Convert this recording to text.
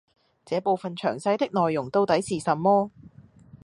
這部分詳細的內容到底是什麼